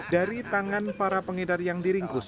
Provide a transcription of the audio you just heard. dari tangan para pengedar yang diringkus